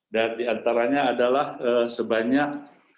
dan diantaranya adalah sebanyak